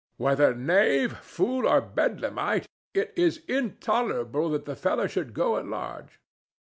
"Whether knave, fool or Bedlamite, it is intolerable that the fellow should go at large."